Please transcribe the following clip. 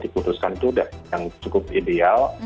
jadi putuskan itu sudah yang cukup ideal